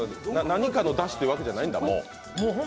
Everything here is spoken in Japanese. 何かのだしっていうわけじゃないんだ、もう？